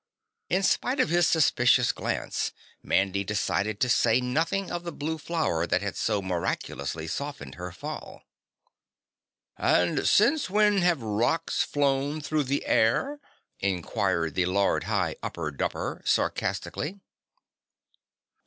In spite of his suspicious glance, Mandy decided to say nothing of the blue flower that had so miraculously softened her fall. "And since when have rocks flown through the air?" inquired the Lord High Upper Dupper sarcastically.